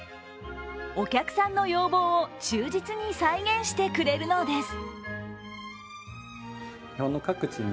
お客さんの要望を忠実に再現してくれるのです。